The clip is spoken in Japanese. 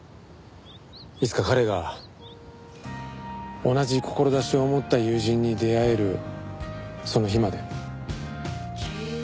いつか彼が同じ志を持った友人に出会えるその日まで。